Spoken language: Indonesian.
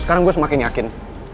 sekarang gue semakin yakin